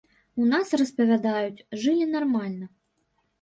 У нас распавядаюць, жылі нармальна.